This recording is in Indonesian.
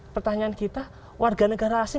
pertanyaan kita warga negara asing